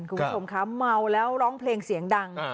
คุณผู้ชมคะเมาแล้วร้องเพลงเสียงดัง